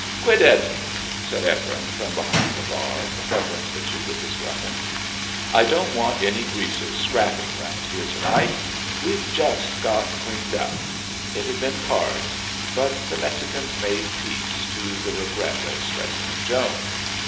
"Quit it!" said Ephraim from behind the bar, covering the two with his weapon. "I don't want any greasers scrapping round here to night. We've just got cleaned up." It had been cards, but the Mexicans made peace, to the regret of Specimen Jones.